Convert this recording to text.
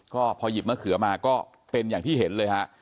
ก็พอหยิบมะเขือมาก็เป็นอย่างที่เห็นเลยฮะ